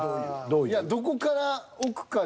いやどこから置くかで。